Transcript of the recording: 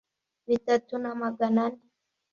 Bitatu na magana ane